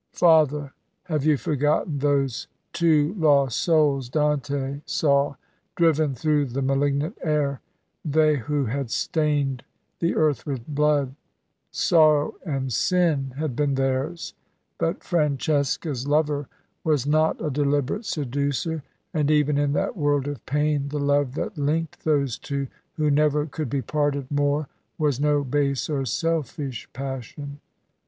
Father, have you forgotten those two lost souls Dante saw, driven through the malignant air; they who had stained the earth with blood? Sorrow and sin had been theirs; but Francesca's lover was not a deliberate seducer, and even in that world of pain the love that linked those two who never could be parted more was no base or selfish passion.